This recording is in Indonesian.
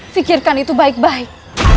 fikirkan itu baik baik